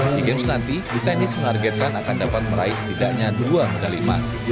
sea games nanti di tenis menargetkan akan dapat meraih setidaknya dua medali emas